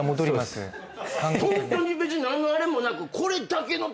ホントに別に何のあれもなく。